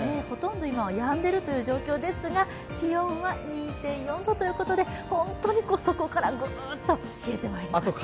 ほとんど今はやんでいるという状況ですが、気温は２．４度ということで、本当に底からグッと冷えてまいります。